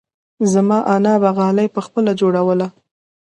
زما انا به غالۍ پخپله جوړوله.